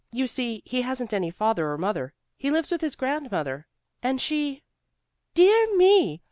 You see, he hasn't any father or mother. He lives with his grandmother and she " "Dear me!